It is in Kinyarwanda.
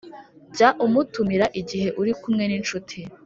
jya umutumira igihe uri kumwe n’inshuti